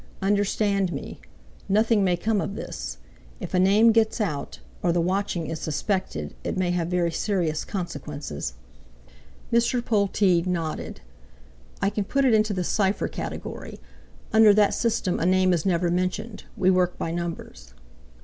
"Understand me: Nothing may come of this. If a name gets out, or the watching is suspected, it may have very serious consequences." Mr. Polteed nodded. "I can put it into the cipher category. Under that system a name is never mentioned; we work by numbers."